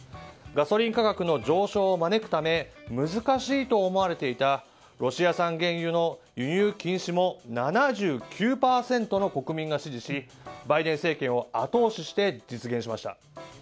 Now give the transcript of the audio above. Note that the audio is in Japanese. ガソリン価格の上昇を招くため難しいと思われていたロシア産原油の輸入禁止も７９％の国民が支持しバイデン政権を後押しして実現しました。